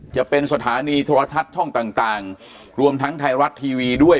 จะเป็นสถานีโทรทัศน์ช่องต่างรวมทั้งไทยรัฐทีวีด้วย